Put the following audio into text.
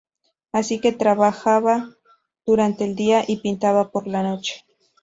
Así que trabajaba durante el día, y pintaba por la noche.